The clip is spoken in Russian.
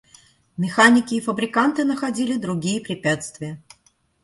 Механики и фабриканты находили другие препятствия.